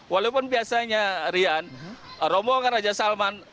walaupun biasanya rian rombongan raja salman